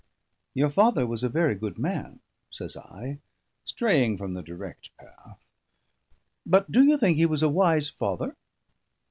"Your father was a very good man," says I, straying from the direct path. "But do you think he was a wise father?"